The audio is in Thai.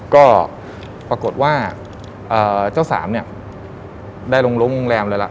ก็ปรากฏว่าเจ้าสามเนี่ยได้ลงรุ้งโรงแรมเลยล่ะ